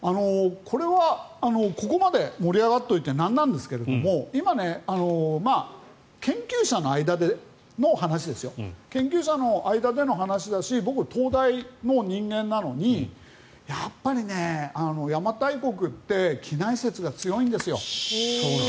これはここまで盛り上がっておいてなんなんですけど今、研究者の間での話ですし僕は東大の人間なのにやっぱり邪馬台国って畿内説が強いんですよ。